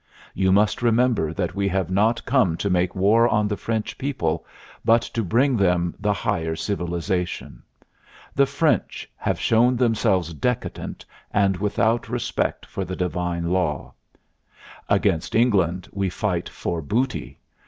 You must remember that we have not come to make war on the French people, but to bring them the higher Civilization. The French have shown themselves decadent and without respect for the Divine law. Against England we fight for booty.